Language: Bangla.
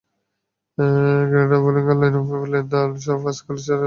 গ্রেনাডার বোলিং লাইনআপে নেলন পাসকাল ছাড়া পরিচিত কোনো নাম ছিল না।